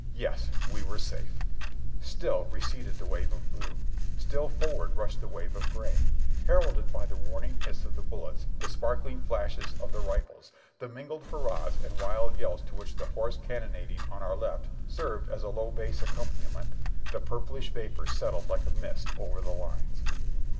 Yes, we were safe ! Still receded the wave of blue; still forward rushed the wave of gray, heralded by the warning hiss of the bullets, the sparkling flashes of the rifles, the mingled hurrahs and wuld yells to which the hoarse cannonading on our left served as a low bass accom paniment, the purplish vapor settling like a mist over the lines.